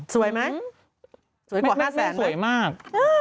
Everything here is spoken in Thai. สวยมาก